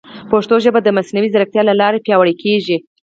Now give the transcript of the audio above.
پښتو ژبه د مصنوعي ځیرکتیا له لارې پیاوړې کیږي.